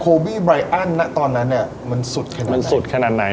บี้ไรอันนะตอนนั้นเนี่ยมันสุดขนาดนั้นมันสุดขนาดไหน